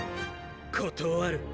断る。